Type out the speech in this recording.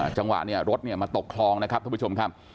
จังหวะรถมาตกคลองนะครับทุกผู้ชมครับ